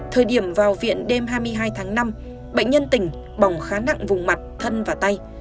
thời điểm vào viện đêm hai mươi hai tháng năm bệnh nhân tỉnh bỏng khá nặng vùng mặt thân và tay